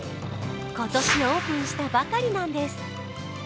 今年オープンしたばかりなんです。